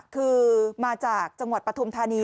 คือมาจากจังหวัดปฐุมธานี